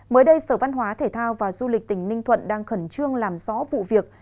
mới đây sở văn hóa thể thao và du lịch tỉnh ninh thuận đang khẩn trương làm rõ vụ việc